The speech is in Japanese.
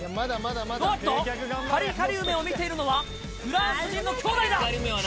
おっと、カリカリ梅を見ているのは、フランス人のきょうだいだ。